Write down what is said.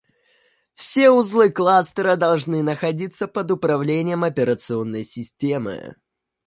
Все узлы кластера должны находиться под управлением операционной системы